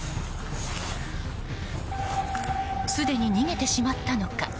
すでに逃げてしまったのか。